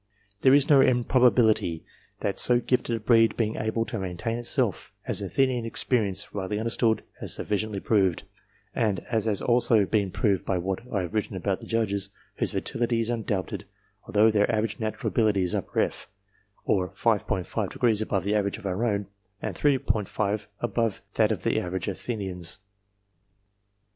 There is no improbability in so gifted a breed being able to maintain itself, as Athenian experience, rightly under stood, has sufficiently proved ; and as has also been proved by what I have written about the Judges, whose fertility is undoubted, although their average natural ability is F, or 5J degrees above the average of our own, and 3J above that of the average Athenians.